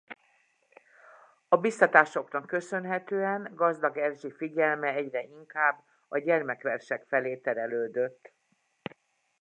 A biztatásoknak köszönhetően Gazdag Erzsi figyelme egyre inkább a gyermekversek felé terelődött.